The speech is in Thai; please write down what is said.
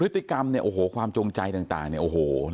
พฤติกรรมเนี่ยโอ้โหความจงใจต่างเนี่ยโอ้โห